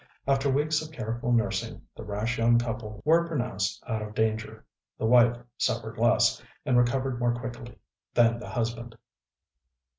After weeks of careful nursing, the rash young couple were pronounced out of danger. The wife suffered less, and recovered more quickly, than the husband.